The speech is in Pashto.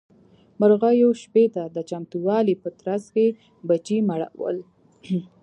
مرغيو شپې ته د چمتووالي په ترڅ کې بچي مړول.